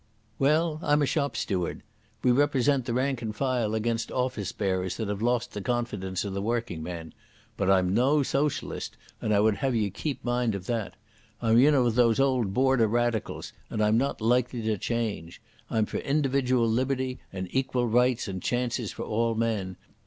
"Well, I'm a shop steward. We represent the rank and file against office bearers that have lost the confidence o' the workingman. But I'm no socialist, and I would have ye keep mind of that. I'm yin o' the old Border radicals, and I'm not like to change. I'm for individual liberty and equal rights and chances for all men.